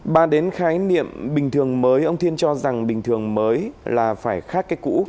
bà đến khái niệm bình thường mới ông thiên cho rằng bình thường mới là phải khác cái cũ